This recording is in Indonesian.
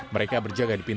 mereka berjaga di pintu